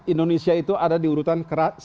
indonesia itu ada di urutan satu ratus tujuh puluh satu